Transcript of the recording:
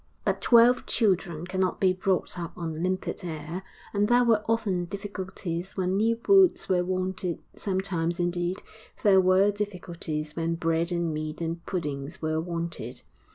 But twelve children cannot be brought up on limpid air, and there were often difficulties when new boots were wanted; sometimes, indeed, there were difficulties when bread and meat and puddings were wanted.